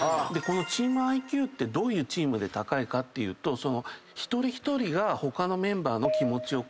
チームＩＱってどういうチームで高いかっていうと一人一人が他のメンバーの気持ちを考えてる。